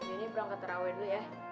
ini perangkat rawet dulu ya